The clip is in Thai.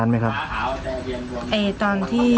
จัดกระบวนพร้อมกัน